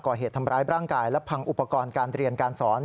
ก่อเหตุทำร้ายร่างกายและพังอุปกรณ์การเรียนการสอน